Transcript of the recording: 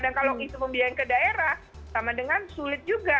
dan kalau itu pembiayaan ke daerah sama dengan sulit juga